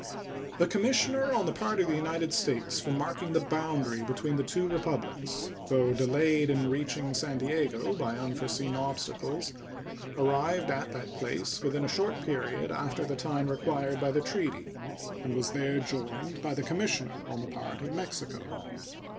The commissioner on the part of the United States for marking the boundary between the two Republics, though delayed in reaching San Diego by unforeseen obstacles, arrived at that place within a short period after the time required by the treaty, and was there joined by the commissioner on the part of Mexico.